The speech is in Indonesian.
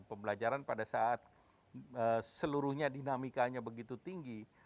pembelajaran pada saat seluruhnya dinamikanya begitu tinggi